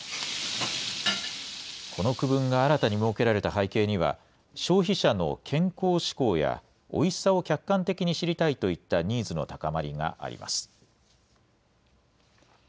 この区分が新たに設けられた背景には、消費者の健康志向や、おいしさを客観的に知りたいといったニーズの高まりがあります。